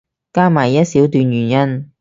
加埋一小段原因